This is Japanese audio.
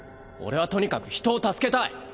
俺はとにかく人を助けたい。